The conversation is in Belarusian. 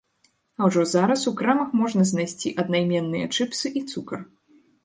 А ўжо зараз у крамах можна знайсці аднайменныя чыпсы і цукар.